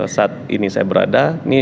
saat ini saya berada di partai nasdem